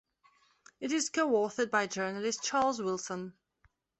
It is co-authored by journalist Charles Wilson.